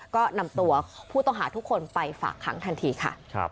ก็นำตัวผู้ต้องหาทุกคนไปฝากขังทันทีค่ะ